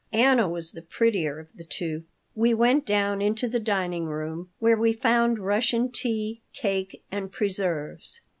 Anna was the prettier of the two. We went down into the dining room, where we found Russian tea, cake, and preserves.